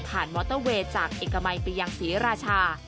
มอเตอร์เวย์จากเอกมัยไปยังศรีราชา